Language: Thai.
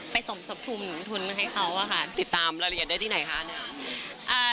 สมทบทุนให้เขาอะค่ะติดตามรายละเอียดได้ที่ไหนคะเนี่ย